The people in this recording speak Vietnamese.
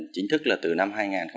chính thức là từ năm hai nghìn tám